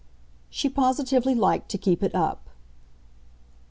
She positively liked to keep it up.